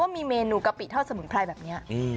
มีเมนูกะปิทอดสมุนไพรแบบนี้